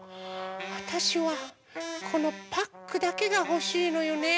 あたしはこのパックだけがほしいのよね。